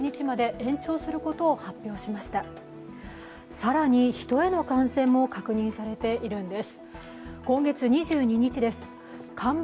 更に、ヒトへの感染も確認されているんです。